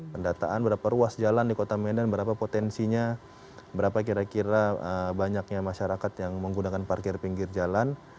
pendataan berapa ruas jalan di kota medan berapa potensinya berapa kira kira banyaknya masyarakat yang menggunakan parkir pinggir jalan